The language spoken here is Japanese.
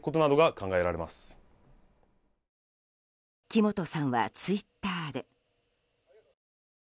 木本さんはツイッターで。